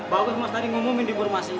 bagus mas tadi ngumumin di burmasi